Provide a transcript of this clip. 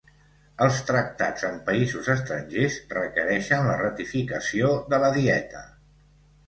Els tractats amb països estrangers requereixen la ratificació de la Dieta.